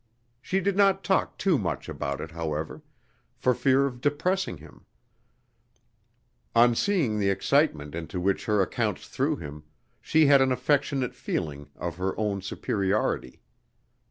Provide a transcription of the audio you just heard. She did not talk too much about it, however, for fear of depressing him: on seeing the excitement into which her accounts threw him, she had an affectionate feeling of her own superiority.